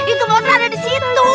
itu bosan ada di situ